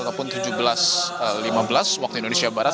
ataupun tujuh belas lima belas waktu indonesia barat